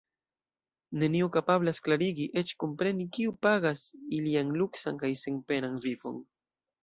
Neniu kapablas klarigi, eĉ kompreni, kiu pagas ilian luksan kaj senpenan vivon.